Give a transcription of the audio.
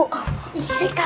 oh si heka